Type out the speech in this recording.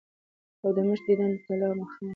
او د مشر ديدن له تلۀ خامخه دي ـ